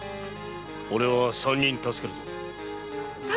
俺は三人助けるのだ。